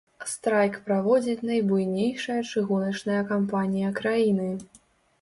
Страйк праводзіць найбуйнейшая чыгуначная кампанія краіны.